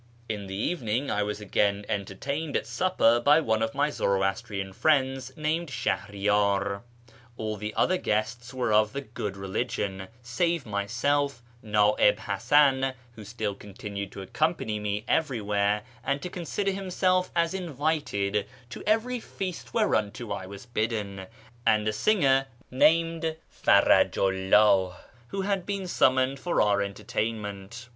In the evening I was again entertained at supper by one of my Zoroastrian friends named Shahriyar. All the other guests were of " the good religion " save myself, Na'ib Hasan (who still continued to accompany me everywhere, and to con sider himself as invited to every feast whereunto I was bidden), and a singer named Faraju 'llah, who had been summoned for our entertainment.